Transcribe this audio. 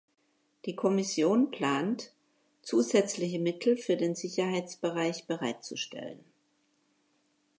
Die Kommission plant, zusätzliche Mittel für den Sicherheitsbereich bereitzustellen.